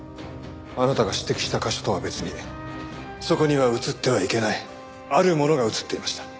あなたが指摘した箇所とは別にそこには映ってはいけないあるものが映っていました。